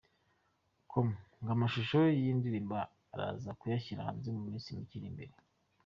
com ngo amashusho y’iyi ndirimbo araza kuyashyira hanze mu minsi mike iri imbere.